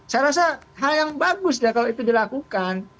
saya rasa hal yang bagus kalau itu dilakukan